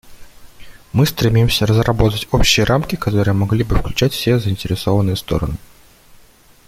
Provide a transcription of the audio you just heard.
Мы стремимся разработать общие рамки, которые могли бы включать все заинтересованные стороны.